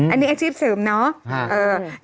อันนี้อาชีพเสริมเนาะ